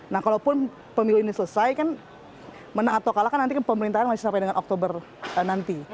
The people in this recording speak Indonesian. nah kalaupun pemilu ini selesai kan menang atau kalah kan nanti kan pemerintahan masih sampai dengan oktober nanti